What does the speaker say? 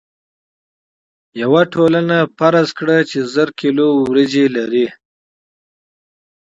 یوه ټولنه فرض کړئ چې زر کیلو وریجې لري.